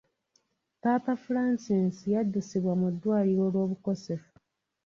Paapa Francis yaddusiddwa mu ddwaliro olw’obukosefu.